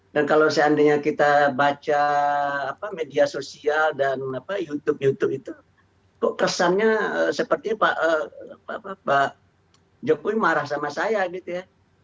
dan kalau seandainya kita baca media sosial dan youtube youtube itu kok kesannya seperti pak jokowi marah sama saya gitu ya